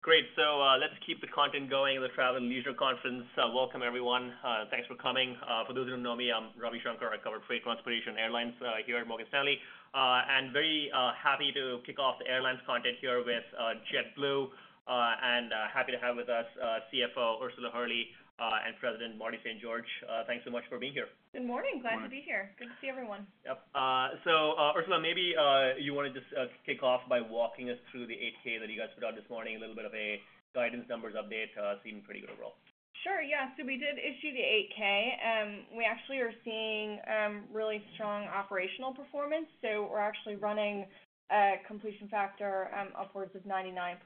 Great. So, let's keep the content going in the Travel and Leisure Conference. Welcome, everyone. Thanks for coming. For those who don't know me, I'm Ravi Shanker. I cover freight, transportation, and airlines here at Morgan Stanley. And very happy to kick off the airlines content here with JetBlue, and happy to have with us CFO Ursula Hurley and President Marty St. George. Thanks so much for being here. Good morning. Good morning. Glad to be here. Good to see everyone. Yep. So, Ursula, maybe you want to just kick off by walking us through the 8-K that you guys put out this morning. A little bit of a guidance numbers update seemed pretty good overall. Sure, yeah. So we did issue the 8-K, and we actually are seeing really strong operational performance. So we're actually running a completion factor upwards of 99%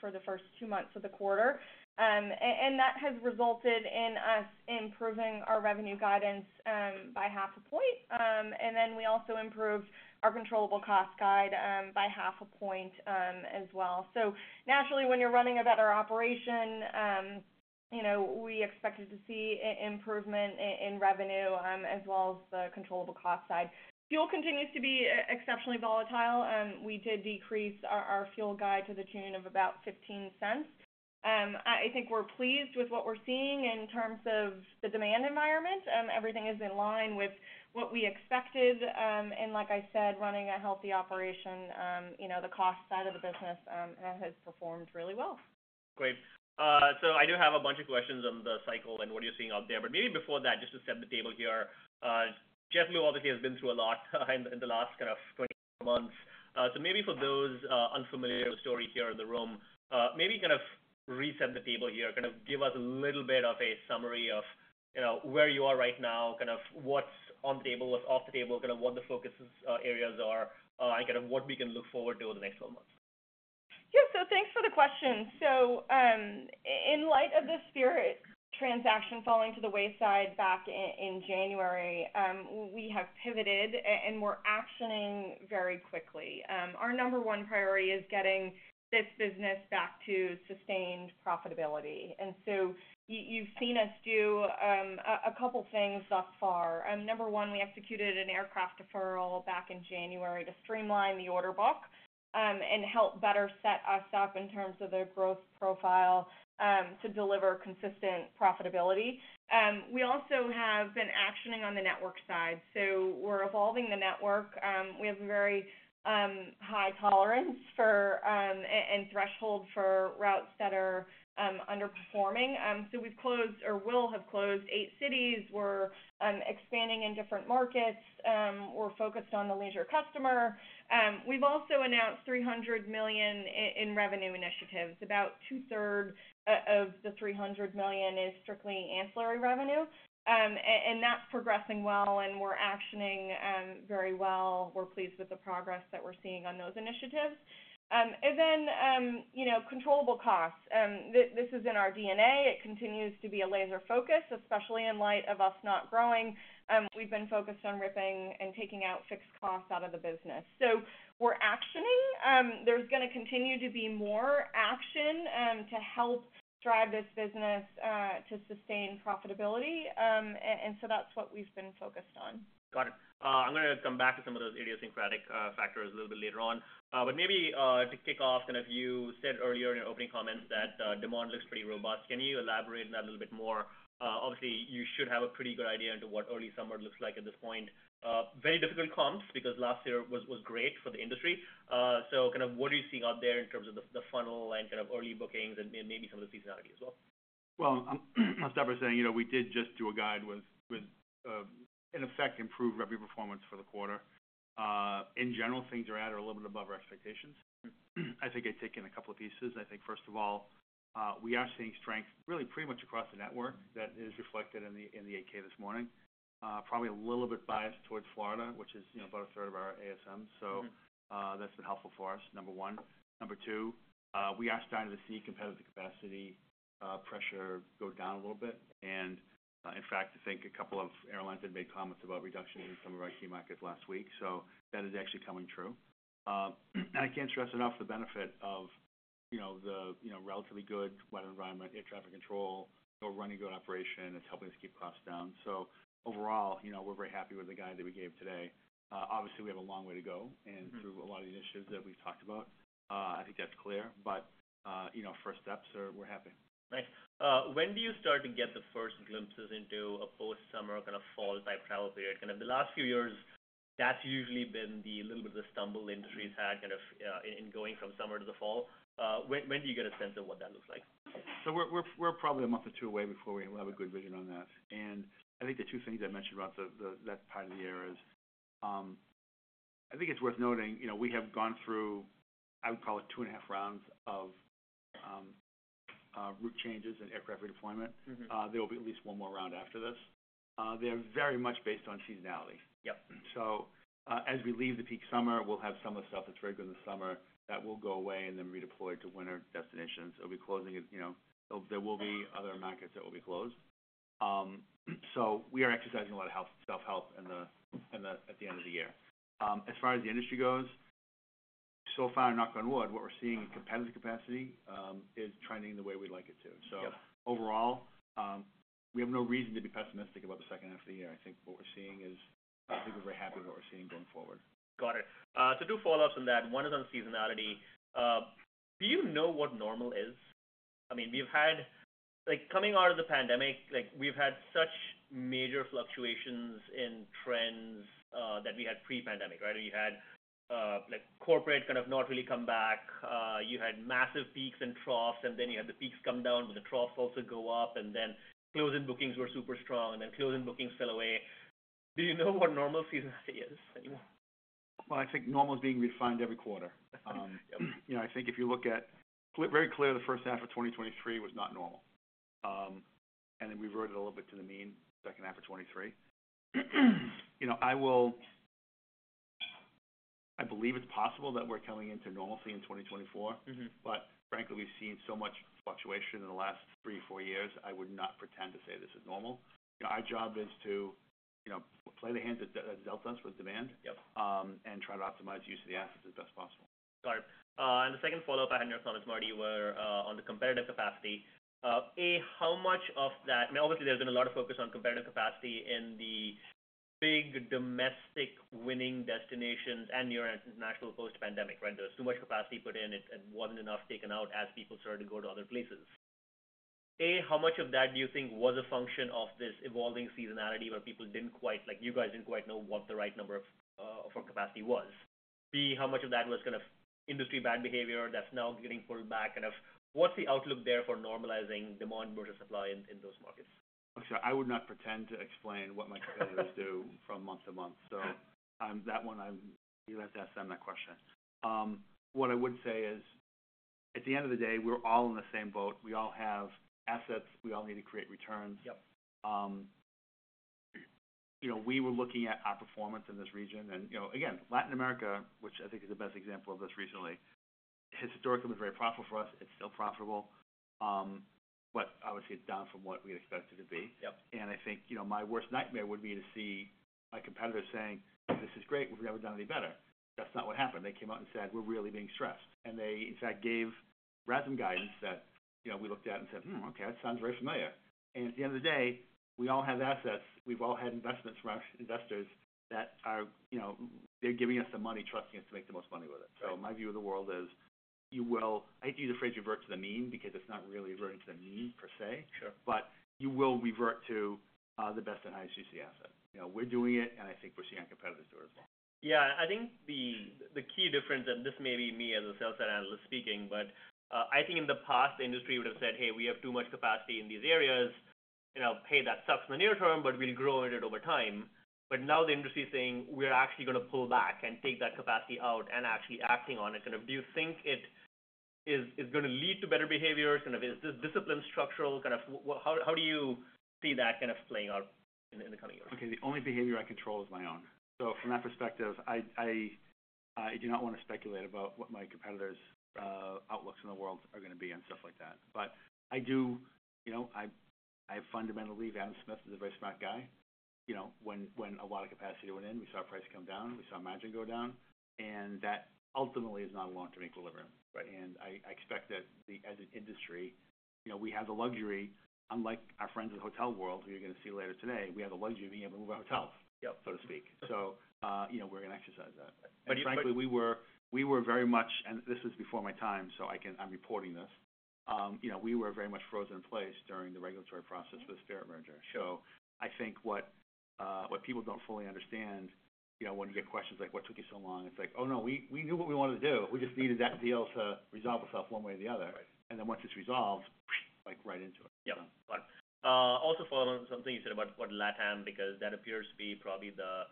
for the first two months of the quarter. And that has resulted in us improving our revenue guidance by 0.5 point. And then we also improved our controllable cost guide by 0.5 point as well. So naturally, when you're running a better operation, you know, we expected to see improvement in revenue as well as the controllable cost side. Fuel continues to be exceptionally volatile. We did decrease our fuel guide to the tune of about $0.15. I think we're pleased with what we're seeing in terms of the demand environment. Everything is in line with what we expected. Like I said, running a healthy operation, you know, the cost side of the business has performed really well. Great. So I do have a bunch of questions on the cycle and what you're seeing out there. But maybe before that, just to set the table here, JetBlue obviously has been through a lot in the last kind of 24 months. So maybe for those unfamiliar with the story here in the room, maybe kind of reset the table here. Kind of give us a little bit of a summary of, you know, where you are right now, kind of what's on the table, what's off the table, kind of what the focus areas are, and kind of what we can look forward to over the next 12 months. Yeah. So thanks for the question. So, in light of the Spirit transaction falling to the wayside back in January, we have pivoted and we're actioning very quickly. Our number one priority is getting this business back to sustained profitability. And so you've seen us do a couple things thus far. Number one, we executed an aircraft deferral back in January to streamline the order book, and help better set us up in terms of the growth profile, to deliver consistent profitability. We also have been actioning on the network side, so we're evolving the network. We have a very high tolerance for and threshold for routes that are underperforming. So we've closed or will have closed 8 cities. We're expanding in different markets, we're focused on the leisure customer. We've also announced $300 million in revenue initiatives. About two-thirds of the $300 million is strictly ancillary revenue. And that's progressing well, and we're actioning very well. We're pleased with the progress that we're seeing on those initiatives. And then, you know, controllable costs. This is in our DNA. It continues to be a laser focus, especially in light of us not growing. We've been focused on ripping and taking out fixed costs out of the business. So we're actioning. There's gonna continue to be more action to help drive this business to sustain profitability. And so that's what we've been focused on. Got it. I'm gonna come back to some of those idiosyncratic factors a little bit later on. But maybe, to kick off, kind of you said earlier in your opening comments that demand looks pretty robust. Can you elaborate on that a little bit more? Obviously, you should have a pretty good idea into what early summer looks like at this point. Very difficult comps, because last year was great for the industry. So kind of what are you seeing out there in terms of the funnel and kind of early bookings and maybe some of the seasonality as well? Well, I'll start by saying, you know, we did just do a guide with in effect, improved revenue performance for the quarter. In general, things are at or a little bit above our expectations. I think I'd take in a couple of pieces. I think, first of all, we are seeing strength really pretty much across the network that is reflected in the 8-K this morning. Probably a little bit biased towards Florida, which is, you know, about a third of our ASM. Mm-hmm. So, that's been helpful for us, number one. Number two, we are starting to see competitive capacity pressure go down a little bit, and, in fact, I think a couple of airlines have made comments about reductions in some of our key markets last week, so that is actually coming true. And I can't stress enough the benefit of, you know, the, you know, relatively good weather environment, air traffic control. We're running a good operation. It's helping us keep costs down. So overall, you know, we're very happy with the guide that we gave today. Obviously, we have a long way to go- Mm-hmm. And through a lot of the initiatives that we've talked about, I think that's clear, but you know, first steps are we're happy. Nice. When do you start to get the first glimpses into a post-summer, kind of fall-type travel period? Kind of the last few years, that's usually been the little bit of the stumble the industry had, kind of, in going from summer to the fall. When do you get a sense of what that looks like? We're probably a month or two away before we have a good vision on that. I think the two things I'd mention about that part of the year is, I think it's worth noting, you know, we have gone through, I would call it two and a half rounds of route changes and aircraft redeployment. Mm-hmm. There will be at least one more round after this. They're very much based on seasonality. Yep. So, as we leave the peak summer, we'll have some of the stuff that's very good in the summer that will go away and then redeploy it to winter destinations. It'll be closing, you know, there will be other markets that will be closed. So we are exercising a lot of self-help in the at the end of the year. As far as the industry goes, so far, knock on wood, what we're seeing in competitive capacity is trending the way we'd like it to. Yep. So overall, we have no reason to be pessimistic about the second half of the year. I think we're very happy with what we're seeing going forward. Got it. So two follow-ups on that. One is on seasonality. Do you know what normal is? I mean, we've had, like, coming out of the pandemic, like, we've had such major fluctuations in trends that we had pre-pandemic, right? We had, like, corporate kind of not really come back. You had massive peaks and troughs, and then you had the peaks come down, but the troughs also go up, and then closing bookings were super strong, and then closing bookings fell away. Do you know what normal seasonality is anymore? Well, I think normal is being refined every quarter. Yep. You know, I think if you look at, very clear, the first half of 2023 was not normal. And then we reverted a little bit to the mean, second half of 2023. You know, I will, I believe it's possible that we're coming into normalcy in 2024. Mm-hmm. But frankly, we've seen so much fluctuation in the last 3, 4 years. I would not pretend to say this is normal. Our job is to, you know, play the hand that dealt us with demand- Yep. Try to optimize use of the assets as best possible. Got it. And the second follow-up I had on this, Marty, were, on the competitive capacity. A, how much of that—I mean, obviously, there's been a lot of focus on competitive capacity in the big domestic winning destinations and your international post-pandemic, right? There was too much capacity put in, and it wasn't enough taken out as people started to go to other places. A, how much of that do you think was a function of this evolving seasonality, where people didn't quite—like, you guys didn't quite know what the right number of, for capacity was? B, how much of that was kind of industry bad behavior that's now getting pulled back? Kind of, what's the outlook there for normalizing demand versus supply in those markets? I would not pretend to explain what my competitors do from month-to-month. Yeah. That one, you have to ask them that question. What I would say is, at the end of the day, we're all in the same boat. We all have assets, we all need to create returns. Yep. You know, we were looking at our performance in this region, and, you know, again, Latin America, which I think is the best example of this recently, historically, was very profitable for us. It's still profitable, but obviously, it's down from what we had expected it to be. Yep. And I think, you know, my worst nightmare would be to see my competitors saying, "This is great. We've never done any better." That's not what happened. They came out and said, "We're really being stressed." And they, in fact, gave RASM guidance that, you know, we looked at and said, "Hmm, okay, that sounds very familiar." And at the end of the day, we all have assets. We've all had investments from our investors that are, you know, they're giving us the money, trusting us to make the most money with it. Right. My view of the world is, you will, I hate to use the phrase, revert to the mean, because it's not really reverting to the mean per se. Sure. You will revert to the best and highest unencumbered asset. You know, we're doing it, and I think we're seeing our competitors do it as well. Yeah, I think the key difference, and this may be me as a sales analyst speaking, but, I think in the past, the industry would have said, "Hey, we have too much capacity in these areas, and I'll pay. That sucks in the near term, but we'll grow in it over time." But now the industry is saying: We're actually going to pull back and take that capacity out and actually acting on it. Kind of, do you think it is going to lead to better behavior? Kind of, is this discipline structural? Kind of, what... How do you see that kind of playing out in the coming years? Okay, the only behavior I control is my own. So from that perspective, I do not want to speculate about what my competitors' outlooks in the world are going to be and stuff like that. But I do... You know, I fundamentally believe Adam Smith is a very smart guy. You know, when a lot of capacity went in, we saw price come down, we saw margin go down, and that ultimately is not a long-term equilibrium. Right. And I expect that as an industry, you know, we have the luxury, unlike our friends in the hotel world, who you're going to see later today, we have the luxury of being able to move our hotels- Yep. So to speak. So, you know, we're going to exercise that. But, but- And frankly, we were, we were very much, and this was before my time, so I can—I'm reporting this. You know, we were very much frozen in place during the regulatory process for the Spirit merger. So I think what people don't fully understand, you know, when you get questions like: What took you so long? It's like, "Oh, no, we, we knew what we wanted to do. We just needed that deal to resolve itself one way or the other. Right. Then once it's resolved, like, right into it. Yeah. But, also follow on something you said about, about LatAm, because that appears to be probably the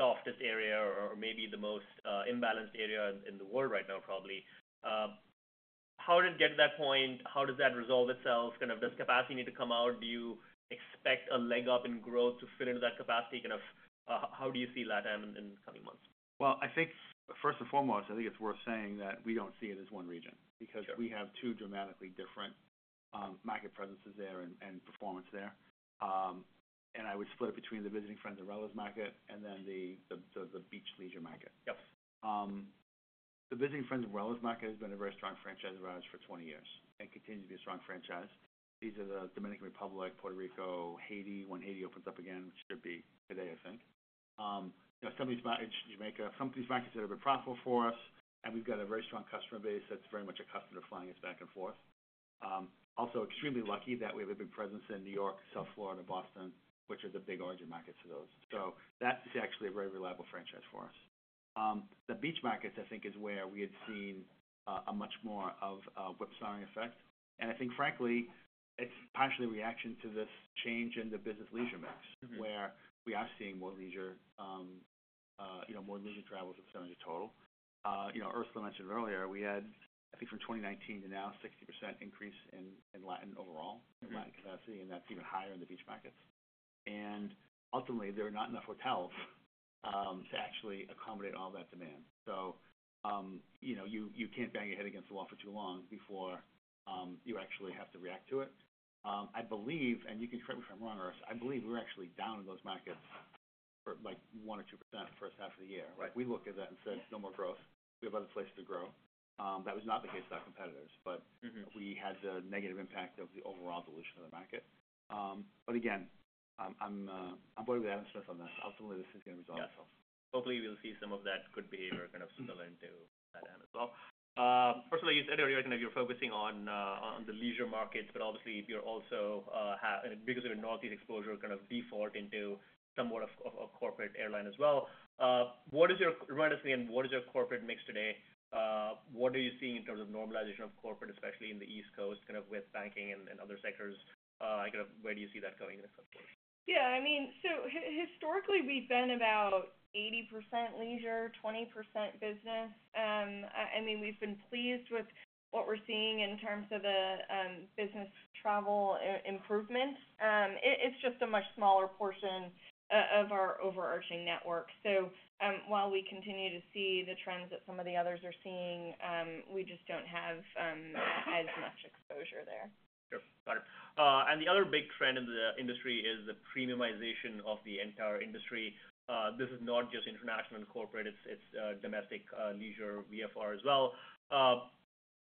softest area or maybe the most, imbalanced area in the world right now, probably. How did it get to that point? How does that resolve itself? Kind of, does capacity need to come out? Do you expect a leg up in growth to fit into that capacity? Kind of, how do you see LatAm in, in the coming months? Well, I think first and foremost, I think it's worth saying that we don't see it as one region. Sure. Because we have two dramatically different market presences there and performance there. And I would split it between the visiting friends and relatives market and then the beach leisure market. Yep. The visiting friends and relatives market has been a very strong franchise of ours for 20 years and continues to be a strong franchise. These are the Dominican Republic, Puerto Rico, Haiti, when Haiti opens up again, which should be today, I think. You know, some of these markets, Jamaica, some of these markets that have been profitable for us, and we've got a very strong customer base that's very much accustomed to flying us back and forth. Also extremely lucky that we have a big presence in New York, South Florida, Boston, which are the big origin markets for those. So that is actually a very reliable franchise for us. The beach markets, I think, is where we had seen a much more of a whipsawing effect. And I think frankly, it's partially a reaction to this change in the business leisure mix- Mm-hmm. Where we are seeing more leisure, you know, more leisure travel than some of the total. You know, Ursula mentioned earlier, we had, I think from 2019 to now, 60% increase in Latin overall- Mm-hmm. Capacity, and that's even higher in the beach markets. Ultimately, there are not enough hotels to actually accommodate all that demand. So, you know, you can't bang your head against the wall for too long before you actually have to react to it. I believe, and you can correct me if I'm wrong, Urs, I believe we're actually down in those markets for, like, 1% or 2% the first half of the year, right? Right. We looked at that and said, "No more growth. We have other places to grow." That was not the case with our competitors- Mm-hmm. But we had a negative impact-... the overall solution of the market. But again, I'm going with emphasis on that. Ultimately, this is going to resolve itself. Yeah. Hopefully, we'll see some of that good behavior kind of similar into that end as well. Personally, you said earlier, you're focusing on the leisure markets, but obviously, you're also because of your Northeast exposure, kind of default into somewhat of a corporate airline as well. Remind us again, what is your corporate mix today? What are you seeing in terms of normalization of corporate, especially in the East Coast, kind of with banking and other sectors? Kind of where do you see that going in the future? Yeah, I mean, historically, we've been about 80% leisure, 20% business. I mean, we've been pleased with what we're seeing in terms of the business travel improvement. It, it's just a much smaller portion of our overarching network. So, while we continue to see the trends that some of the others are seeing, we just don't have as much exposure there. Sure. Got it. And the other big trend in the industry is the premiumization of the entire industry. This is not just international and corporate, it's domestic, leisure, VFR as well.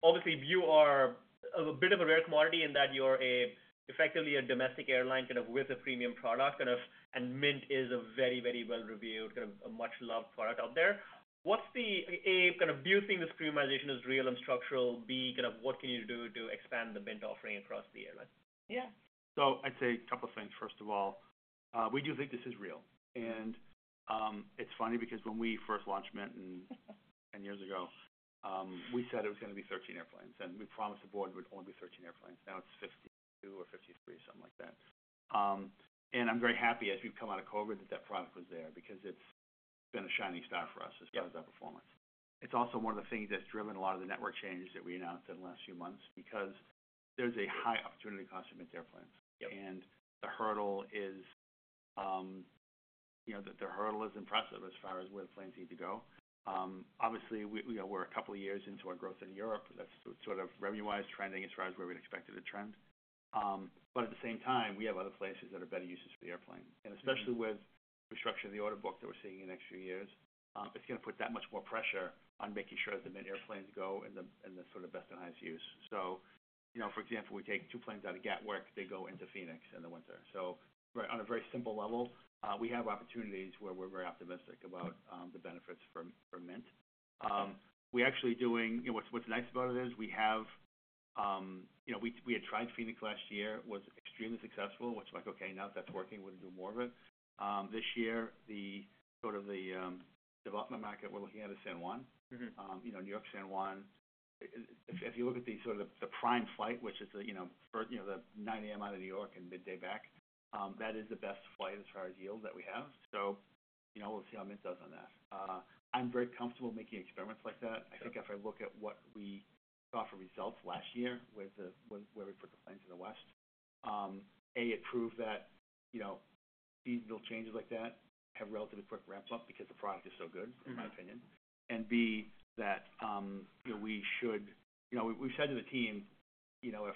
Obviously, you are a bit of a rare commodity in that you're a effectively a domestic airline, kind of, with a premium product, kind of. And Mint is a very, very well-reviewed, kind of, a much-loved product out there. What's the, A, kind of, do you think this premiumization is real and structural? B, kind of, what can you do to expand the Mint offering across the airline? Yeah. So I'd say a couple of things. First of all, we do think this is real. And it's funny because when we first launched Mint 10 years ago, we said it was going to be 13 airplanes, and we promised the board it would only be 13 airplanes. Now it's 52 or 53, something like that. And I'm very happy as we've come out of COVID, that that product was there because it's been a shining star for us. Yep. As far as our performance. It's also one of the things that's driven a lot of the network changes that we announced in the last few months, because there's a high opportunity cost to Mint airplanes. Yep. The hurdle is, you know, the hurdle is impressive as far as where the planes need to go. Obviously, we, you know, we're a couple of years into our growth in Europe. That's sort of revenue-wise, trending as far as where we'd expected to trend. But at the same time, we have other places that are better uses for the airplane. Mm-hmm. And especially with the structure of the order book that we're seeing in the next few years, it's going to put that much more pressure on making sure that the Mint airplanes go in the sort of best and highest use. So, you know, for example, we take 2 planes out of Gatwick, they go into Phoenix in the winter. So on a very simple level, we have opportunities where we're very optimistic about the benefits for Mint. We're actually doing... You know, what's nice about it is we have, you know, we had tried Phoenix last year, was extremely successful. Was like, okay, now that's working, we can do more of it. This year, the sort of development market, we're looking at is San Juan. Mm-hmm. You know, New York, San Juan. If you look at sort of the prime flight, which is, you know, the 9 A.M. out of New York and midday back, that is the best flight as far as yields that we have. So, you know, we'll see how Mint does on that. I'm very comfortable making experiments like that. Sure. I think if I look at what we saw for results last year with the where we put the planes to the West, it proved that, you know, seasonal changes like that have relatively quick ramps up because the product is so good- Mm-hmm. In my opinion. And B, that, you know, we should— You know, we, we've said to the team, you know,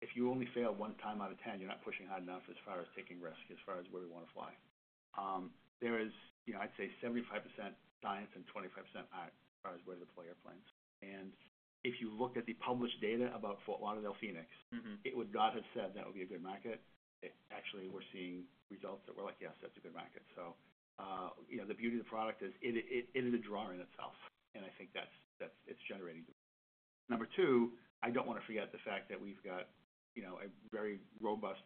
if you only fail one time out of 10, you're not pushing hard enough as far as taking risks, as far as where we want to fly. There is, you know, I'd say 75% science and 25% art, as far as where to deploy airplanes. And if you looked at the published data about Fort Lauderdale, Phoenix- Mm-hmm. It would not have said that would be a good market. It actually, we're seeing results that we're like, "Yes, that's a good market." So, you know, the beauty of the product is it is a drawer in itself, and I think that's it's generating demand. Number two, I don't want to forget the fact that we've got, you know, a very robust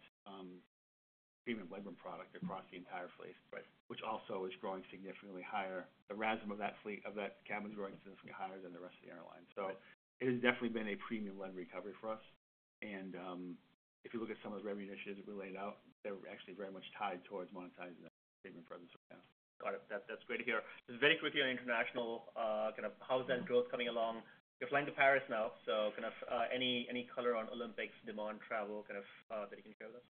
premium legroom product across the entire fleet- Right Which also is growing significantly higher. The RASM of that fleet, of that cabin is growing significantly higher than the rest of the airline. Right. It has definitely been a premium-led recovery for us. If you look at some of the revenue initiatives that we laid out, they're actually very much tied towards monetizing that premium presence right now. Got it. That's, that's great to hear. Just very quickly on international, kind of how's that growth coming along? You're flying to Paris now, so kind of, any, any color on Olympics, demand, travel, kind of, that you can share with us?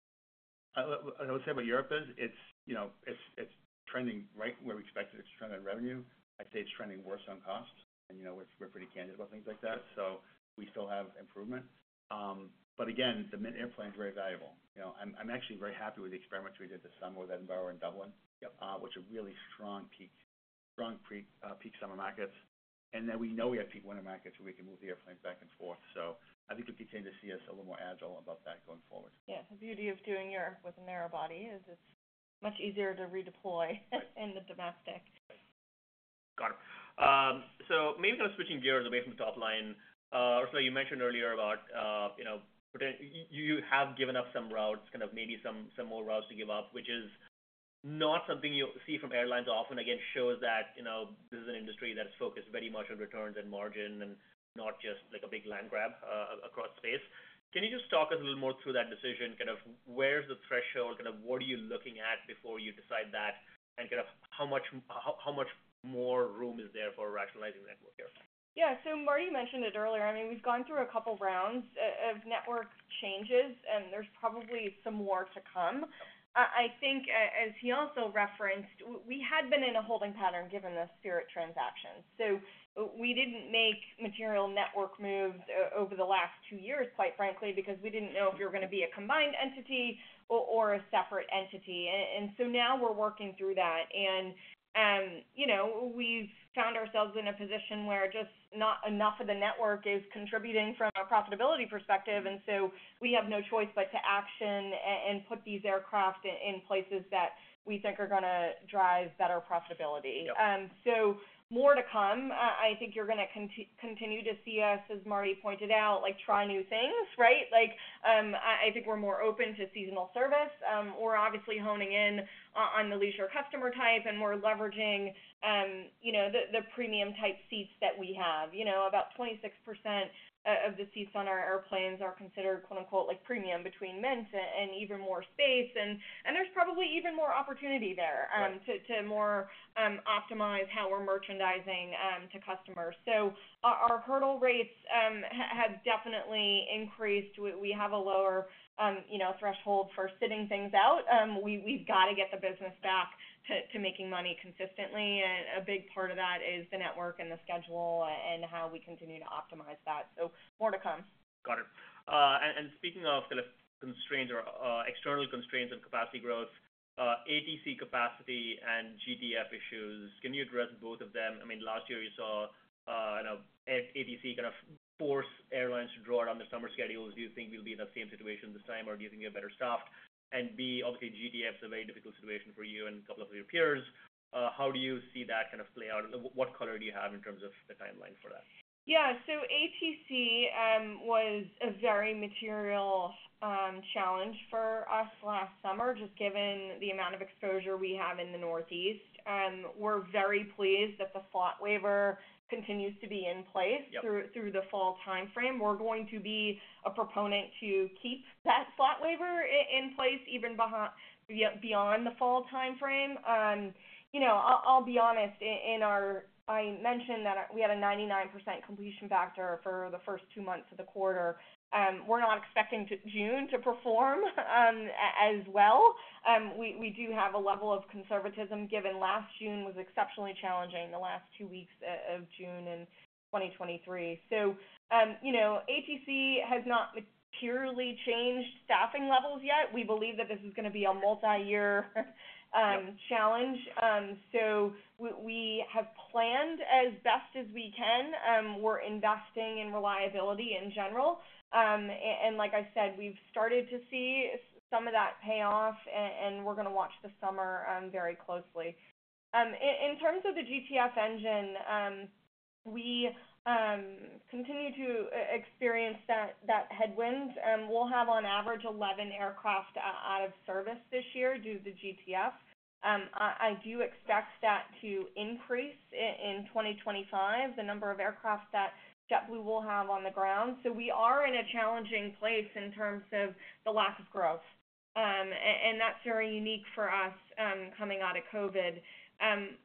What I would say about Europe is it's, you know, it's trending right where we expected it to trend on revenue. I'd say it's trending worse on costs, and, you know, we're pretty candid about things like that. Sure. So we still have improvement. But again, the Mint airplane is very valuable. You know, I'm actually very happy with the experiments we did this summer with Edinburgh and Dublin. Yep. Which are really strong peak, strong pre-peak summer markets. And then we know we have peak winter markets, where we can move the airplanes back and forth. So I think you'll continue to see us a little more agile about that going forward. Yeah, the beauty of doing Europe with a narrow body is it's much easier to redeploy- Right. in the domestic. Right. Got it. So maybe kind of switching gears away from the top line. So you mentioned earlier about, you know, you have given up some routes, kind of maybe some more routes to give up, which is not something you see from airlines often. Again, shows that, you know, this is an industry that is focused very much on returns and margin, and not just like a big land grab across space. Can you just talk a little more through that decision? Kind of where's the threshold? Kind of what are you looking at before you decide that, and kind of how much more room is there for rationalizing network here? Yeah, so Marty mentioned it earlier. I mean, we've gone through a couple rounds of network changes, and there's probably some more to come. I think as he also referenced, we had been in a holding pattern given the Spirit transaction. So we didn't make material network moves over the last two years, quite frankly, because we didn't know if we were gonna be a combined entity or a separate entity. And so now we're working through that. And, you know, we've found ourselves in a position where just not enough of the network is contributing from a profitability perspective, and so we have no choice but to action and put these aircraft in places that we think are gonna drive better profitability. Yep. So more to come. I think you're gonna continue to see us, as Marty pointed out, like, try new things, right? Like, I think we're more open to seasonal service. We're obviously honing in on the leisure customer type, and we're leveraging, you know, the premium-type seats that we have. You know, about 26% of the seats on our airplanes are considered, quote, unquote, "like premium" between Mint and Even More Space. And there's probably Even More opportunity there- Right To more optimize how we're merchandising to customers. So our hurdle rates have definitely increased. We have a lower, you know, threshold for sitting things out. We've got to get the business back to making money consistently, and a big part of that is the network and the schedule and how we continue to optimize that. So more to come. Got it. And speaking of the constraints or external constraints on capacity growth, ATC capacity and GTF issues, can you address both of them? I mean, last year you saw, I know, ATC kind of force airlines to draw down their summer schedules. Do you think we'll be in that same situation this time, or do you think you're better staffed? And B, obviously, GTF is a very difficult situation for you and a couple of your peers. How do you see that kind of play out, and what color do you have in terms of the timeline for that? Yeah. ATC was a very material challenge for us last summer, just given the amount of exposure we have in the Northeast. We're very pleased that the slot waiver continues to be in place. Yep Through the fall timeframe. We're going to be a proponent to keep that slot waiver in place, even yeah, beyond the fall timeframe. You know, I'll be honest, in our-- I mentioned that we had a 99% completion factor for the first two months of the quarter. We're not expecting June to perform as well. We do have a level of conservatism, given last June was exceptionally challenging, the last two weeks of June in 2023. So, you know, ATC has not materially changed staffing levels yet. We believe that this is gonna be a multiyear, Yep Challenge. So we have planned as best as we can. We're investing in reliability in general. And like I said, we've started to see some of that pay off, and we're gonna watch the summer very closely. In terms of the GTF engine, we continue to experience that headwind. We'll have on average 11 aircraft out of service this year due to GTF. I do expect that to increase in 2025, the number of aircraft that we will have on the ground. So we are in a challenging place in terms of the lack of growth. And that's very unique for us, coming out of COVID.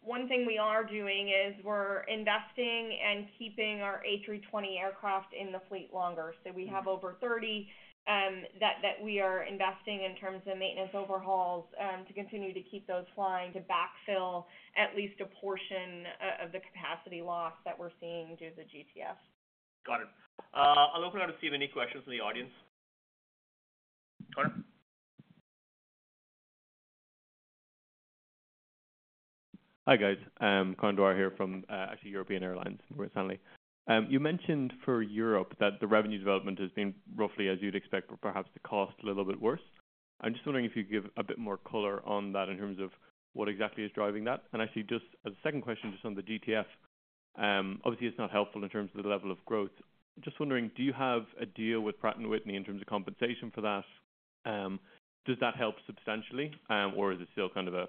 One thing we are doing is we're investing and keeping our A320 aircraft in the fleet longer. We have over 30 that we are investing in terms of maintenance overhauls to continue to keep those flying, to backfill at least a portion of the capacity loss that we're seeing due to GTF. Got it. I'll open it up to see if any questions from the audience. Connor? Hi, guys. Connor Dwyer here from actually European Airlines, Morgan Stanley. You mentioned for Europe that the revenue development has been roughly as you'd expect, but perhaps the cost a little bit worse. I'm just wondering if you could give a bit more color on that in terms of what exactly is driving that. And actually, just as a second question, just on the GTF, obviously, it's not helpful in terms of the level of growth. Just wondering, do you have a deal with Pratt & Whitney in terms of compensation for that? Does that help substantially, or is it still kind of a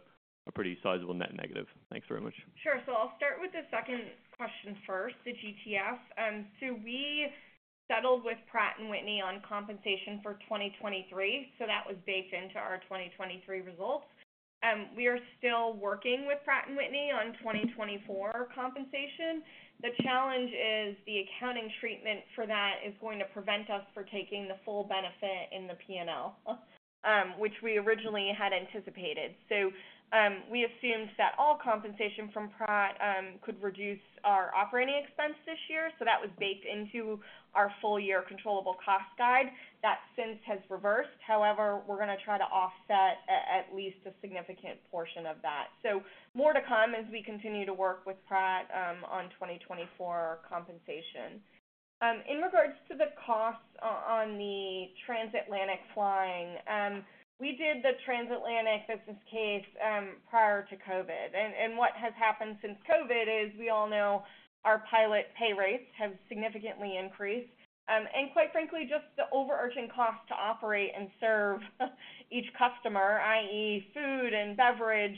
pretty sizable net negative? Thanks very much. Sure. So I'll start with the second question first, the GTF. So we settled with Pratt & Whitney on compensation for 2023, so that was baked into our 2023 results. We are still working with Pratt & Whitney on 2024 compensation. The challenge is the accounting treatment for that is going to prevent us from taking the full benefit in the P&L, which we originally had anticipated. So, we assumed that all compensation from Pratt could reduce our operating expense this year, so that was baked into our full-year controllable cost guide. That since has reversed. However, we're gonna try to offset at least a significant portion of that. So more to come as we continue to work with Pratt on 2024 compensation. In regards to the costs on the transatlantic flying, we did the transatlantic business case prior to COVID. And what has happened since COVID is, we all know our pilot pay rates have significantly increased. And quite frankly, just the overarching cost to operate and serve each customer, i.e., food and beverage,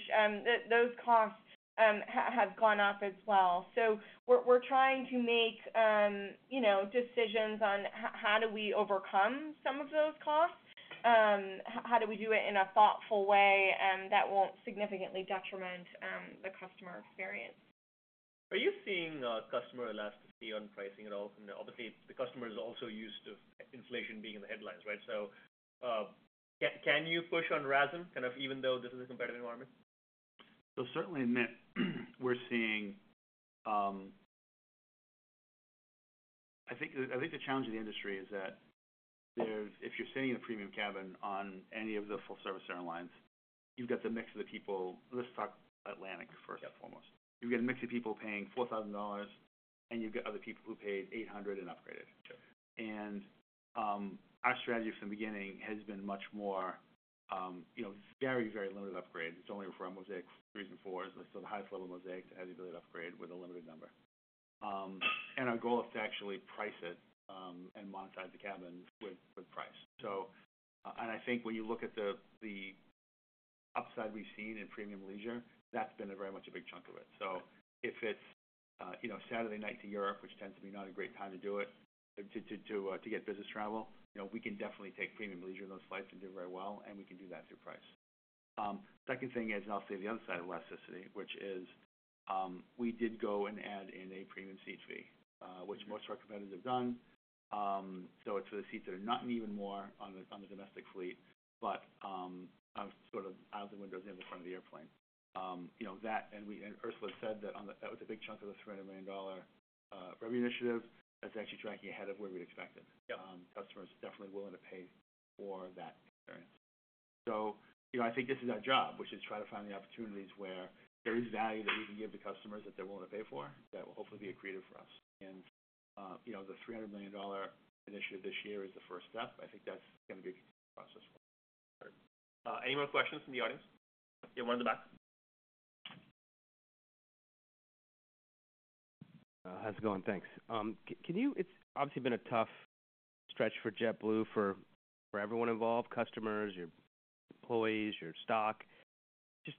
those costs have gone up as well. So we're trying to make, you know, decisions on how do we overcome some of those costs? How do we do it in a thoughtful way, and that won't significantly detriment the customer experience? Are you seeing customer elasticity on pricing at all? You know, obviously, the customer is also used to inflation being in the headlines, right? So, can you push on RASM, kind of, even though this is a competitive environment? Certainly, Amit, we're seeing, I think, I think the challenge in the industry is that there's, if you're sitting in a premium cabin on any of the full-service airlines, you've got the mix of the people. Let's talk Atlantic first and foremost. You've got a mix of people paying $4,000, and you've got other people who paid $800 and upgraded. Sure. Our strategy from the beginning has been much more, you know, very, very limited upgrades. It's only from Mosaic 3 and 4s, so the highest level of Mosaic has the ability to upgrade with a limited number. And our goal is to actually price it and monetize the cabins with, with price. And I think when you look at the upside we've seen in premium leisure, that's been a very much a big chunk of it. So if it's, you know, Saturday night to Europe, which tends to be not a great time to do it, to get business travel, you know, we can definitely take premium leisure on those flights and do very well, and we can do that through price. Second thing is, and I'll say the other side of elasticity, which is, we did go and add in a premium seat fee, which most of our competitors have done. So it's for the seats that are not Even More on the domestic fleet, but sort of out of the windows in the front of the airplane. You know, that and Ursula said that that was a big chunk of the $300 million revenue initiative. That's actually tracking ahead of where we'd expected. Yeah. Customers are definitely willing to pay for that experience. You know, I think this is our job, which is try to find the opportunities where there is value that we can give the customers that they're willing to pay for. That will hopefully be accretive for us. You know, the $300 million initiative this year is the first step. I think that's gonna be a continuous process. Any more questions from the audience? Yeah, one in the back. How's it going? Thanks. It's obviously been a tough stretch for JetBlue, for everyone involved, customers, your employees, your stock. Just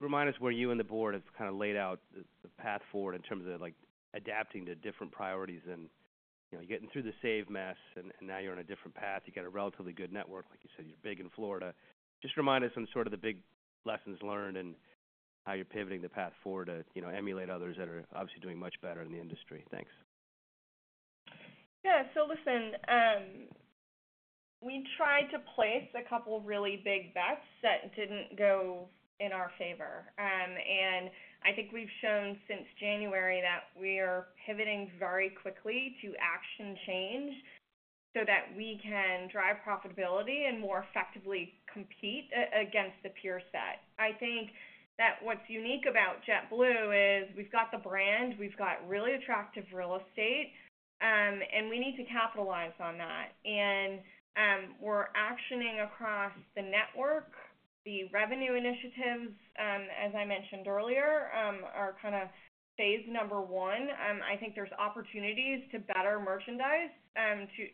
remind us where you and the board have kind of laid out the path forward in terms of, like, adapting to different priorities and, you know, getting through the SAVE mess, and now you're on a different path. You got a relatively good network. Like you said, you're big in Florida. Just remind us on sort of the big lessons learned and how you're pivoting the path forward to, you know, emulate others that are obviously doing much better in the industry. Thanks. Yeah. So listen, we tried to place a couple of really big bets that didn't go in our favor. And I think we've shown since January that we are pivoting very quickly to action change so that we can drive profitability and more effectively compete against the peer set. I think that what's unique about JetBlue is we've got the brand, we've got really attractive real estate, and we need to capitalize on that. And, we're actioning across the network. The revenue initiatives, as I mentioned earlier, are kind of phase number one. I think there's opportunities to better merchandise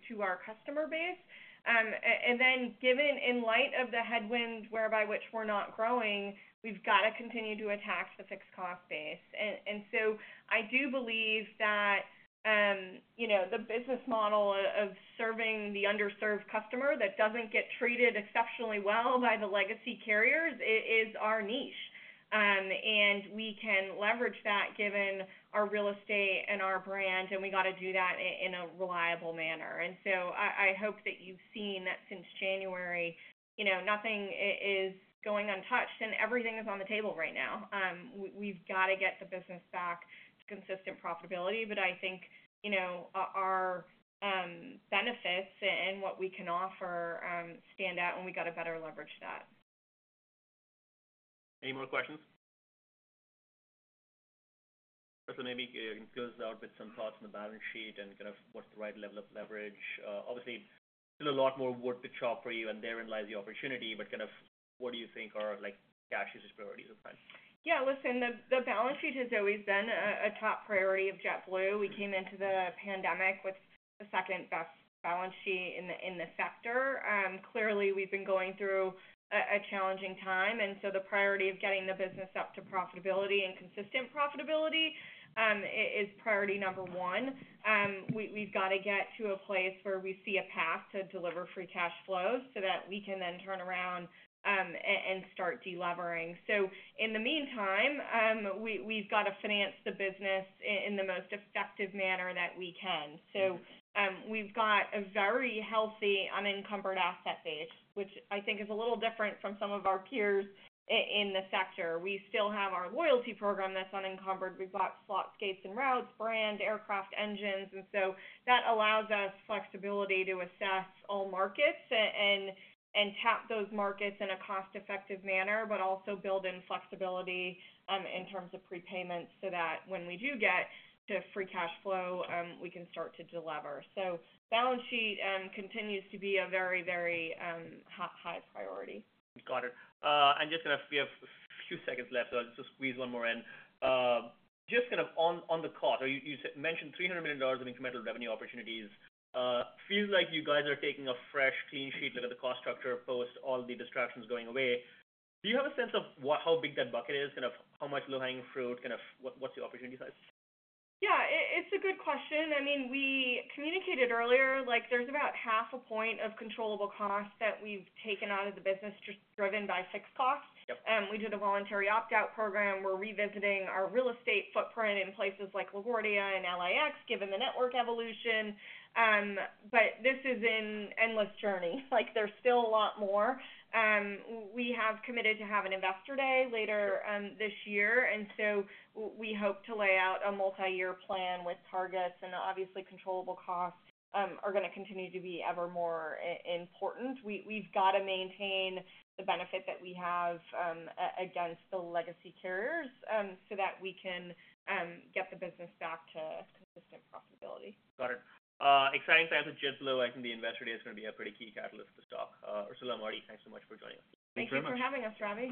to our customer base. And then given in light of the headwinds whereby which we're not growing, we've got to continue to attack the fixed cost base. So I do believe that, you know, the business model of serving the underserved customer that doesn't get treated exceptionally well by the legacy carriers, is our niche. And we can leverage that given our real estate and our brand, and we got to do that in a reliable manner. And so I hope that you've seen that since January, you know, nothing is going untouched and everything is on the table right now. We've got to get the business back to consistent profitability, but I think, you know, our benefits and what we can offer stand out and we got to better leverage that. Any more questions? So maybe close out with some thoughts on the balance sheet and kind of what's the right level of leverage. Obviously, still a lot more work to chop for you, and therein lies the opportunity. But kind of, what do you think are like cash is priority at the time? Yeah, listen, the balance sheet has always been a top priority of JetBlue. We came into the pandemic with the second-best balance sheet in the sector. Clearly, we've been going through a challenging time, and so the priority of getting the business up to profitability and consistent profitability is priority number one. We've got to get to a place where we see a path to deliver free cash flows so that we can then turn around and start delevering. So in the meantime, we've got to finance the business in the most effective manner that we can. So, we've got a very healthy unencumbered asset base, which I think is a little different from some of our peers in the sector. We still have our loyalty program that's unencumbered. We've got slots, gates, and routes, brand, aircraft, engines, and so that allows us flexibility to assess all markets and tap those markets in a cost-effective manner, but also build in flexibility in terms of prepayments, so that when we do get to free cash flow, we can start to delever. So balance sheet continues to be a very, very high, high priority. Got it. And just gonna... We have a few seconds left, so I'll just squeeze one more in. Just kind of on, on the cost, you, you mentioned $300 million in incremental revenue opportunities. Feels like you guys are taking a fresh, clean sheet look at the cost structure post all the distractions going away. Do you have a sense of what - how big that bucket is? Kind of how much low-hanging fruit, kind of what, what's the opportunity size? Yeah, it's a good question. I mean, we communicated earlier, like, there's about 0.5 point of controllable costs that we've taken out of the business, just driven by fixed costs. Yep. We did a voluntary opt-out program. We're revisiting our real estate footprint in places like LaGuardia and LAX, given the network evolution. But this is an endless journey. Like, there's still a lot more. We have committed to have an Investor Day later- Sure. This year, and so we hope to lay out a multi-year plan with targets, and obviously, controllable costs are gonna continue to be ever more important. We've got to maintain the benefit that we have against the legacy carriers, so that we can get the business back to consistent profitability. Got it. Exciting times at JetBlue. I think the Investor Day is gonna be a pretty key catalyst for the stock. Ursula, Marty, thanks so much for joining us. Thank you very much. Thank you for having us, Ravi.